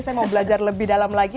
saya mau belajar lebih dalam lagi